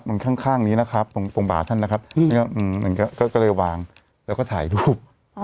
มันข้างข้างนี้นะครับตรงตรงบ่าท่านนะครับอืมอืมอืมก็ก็เลยวางแล้วก็ถ่ายรูปอ๋อ